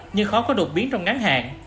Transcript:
nhưng khó có đột biến trong ngắn hạn